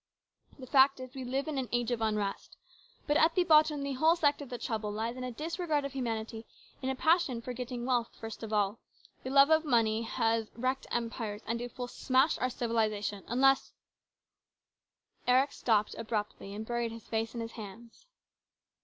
The fact is we live in an age of unrest. But at the bottom the whole secret of the trouble lies in a disregard of humanity in a passion for getting wealth first of all. The love of money has wrecked empires, and it will smash our civilisation, unless " Eric stopped abruptly and buried his face in his hands.